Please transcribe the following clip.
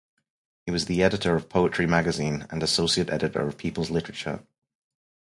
He was editor of "Poetry Magazine", and associate editor of "People's Literature".